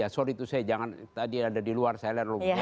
sorry itu saya tadi ada di luar saya lihat lu